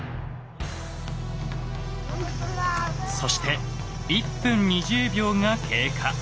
そして１分２０秒が経過。